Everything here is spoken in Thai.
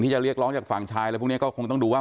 จะเรียกร้องจากฝั่งชายอะไรพวกนี้ก็คงต้องดูว่า